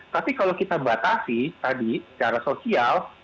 tapi kalau kita batasi tadi secara sosial